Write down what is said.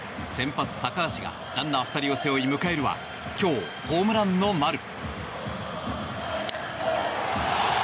先発、高橋がランナー２人を背負い迎えるは今日ホームランの丸。